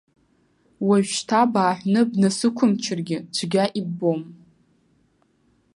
Уажәшьҭа бааҳәны, бнасықәымчыргьы цәгьа иббом.